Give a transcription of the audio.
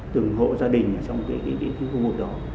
từng hộ gia đình ở trong cái khu vực đó